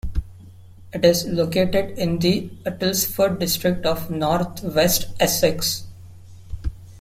It is located in the Uttlesford district of North West Essex.